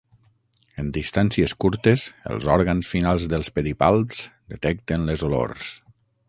En distàncies curtes, els òrgans finals dels pedipalps detecten les olors.